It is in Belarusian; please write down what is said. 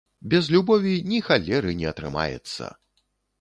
Без любові ні халеры не атрымаецца!